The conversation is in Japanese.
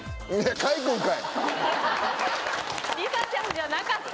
りさちゃんじゃなかった。